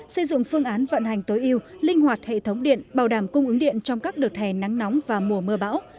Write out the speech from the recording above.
xây dựng phương án vận hành tối yêu linh hoạt hệ thống điện bảo đảm cung ứng điện trong các đợt hè nắng nóng và mùa mưa bão